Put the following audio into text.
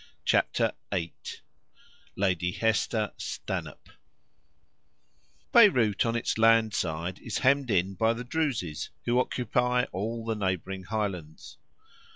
CHAPTER VIII—LADY HESTER STANHOPE Beyrout on its land side is hemmed in by the Druses, who occupy all the neighbouring highlands.